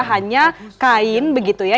hanya kain begitu ya